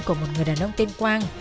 của một người đàn ông tên quang